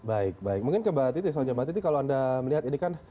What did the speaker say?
baik baik mungkin ke mbak titi selanjutnya mbak titi kalau anda melihat ini kan